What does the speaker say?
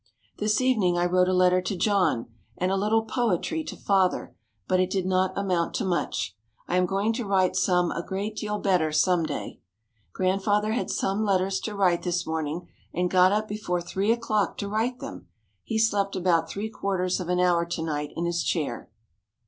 This evening I wrote a letter to John and a little "poetry" to Father, but it did not amount to much. I am going to write some a great deal better some day. Grandfather had some letters to write this morning, and got up before three o'clock to write them! He slept about three quarters of an hour to night in his chair.